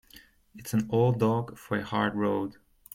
It's an old dog for a hard road.